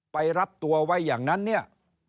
ไปรับตัวไว้อย่างนั้นเนี่ย